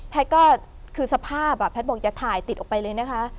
แพทย์ก็คือสภาพอ่าแพทย์บอกอย่าถ่ายติดออกไปเลยนะคะ